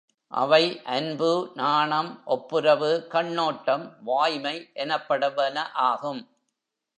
அவை அன்பு, நாணம், ஒப்புரவு, கண்ணோட்டம், வாய்மை எனப்படுவன ஆகும்.